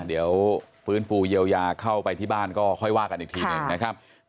เดี๋ยวฟื้นฟูเยียวยาเข้าไปที่บ้านก็ค่อยว่ากันอีกทีหนึ่งนะครับ